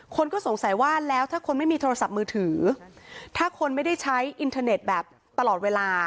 คนก็สงสัยว่าแล้วถ้าคนไม่มีโทรศัพท์มือถือถ้าคนไม่ได้ใช้อินเทอร์เน็ตแบบตลอดเวลา